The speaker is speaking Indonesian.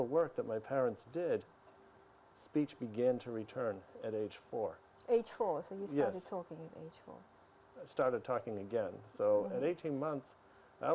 dan dokter mengatakan bahwa mereka tidak pernah melihat